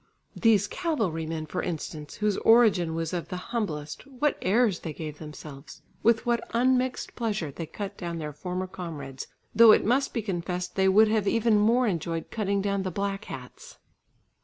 These cavalrymen, for instance, whose origin was of the humblest, what airs they gave themselves! With what unmixed pleasure they cut down their former comrades, though it must be confessed they would have even more enjoyed cutting down the "black hats."